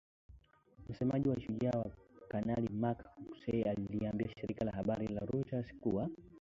Msemaji wa Shujaa Kanali Mak Hazukay aliliambia shirika la habari la reuters kuwa